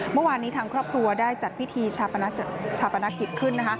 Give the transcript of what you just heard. เมื่อวานนี้ทางครอบครัวได้จัดพิธีชาปนกิจขึ้น